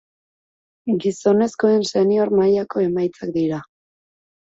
Gizonezkoen senior mailako emaitzak dira.